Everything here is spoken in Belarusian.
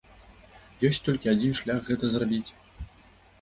Ёсць толькі адзін шлях гэта зрабіць.